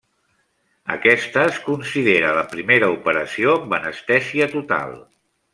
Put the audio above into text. Aquesta es considera la primera operació amb anestèsia total.